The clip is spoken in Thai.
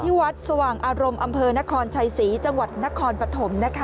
วัดสว่างอารมณ์อำเภอนครชัยศรีจังหวัดนครปฐมนะคะ